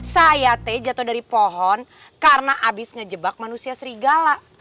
saya teh jatuh dari pohon karena habisnya jebak manusia serigala